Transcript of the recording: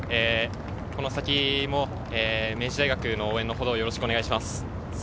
この先も明治大学の応援をよろしくお願いします。